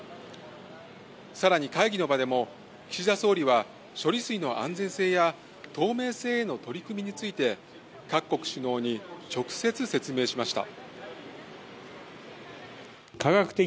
更に、会議の場でも岸田総理は処理水の安全性や透明性への取り組みについて各国首脳に直接、説明しました。